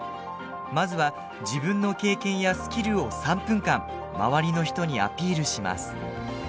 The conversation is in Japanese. まずは自分の経験やスキルを３分間周りの人にアピールします。